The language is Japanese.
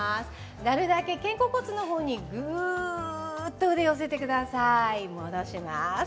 なるだけ肩甲骨の方にぐっと腕を寄せてください。